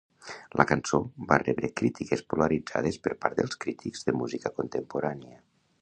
La cançó va rebre crítiques polaritzades per part dels crítics de música contemporània.